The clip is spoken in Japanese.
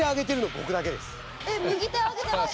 えっ右手あげてます。